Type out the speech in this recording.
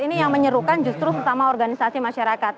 ini yang menyerukan justru sesama organisasi masyarakat